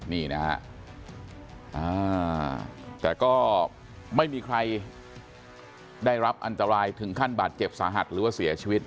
นี่นะฮะแต่ก็ไม่มีใครได้รับอันตรายถึงขั้นบาดเจ็บสาหัสหรือว่าเสียชีวิต